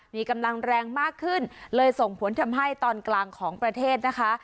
มีกำลังแรงมากขึ้นเลยส่งผลทำให้ตอนกลางของประเทศนะคะ